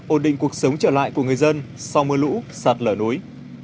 ổn định cuộc sống trở lại của người dân sau mưa lũ sạt lở núi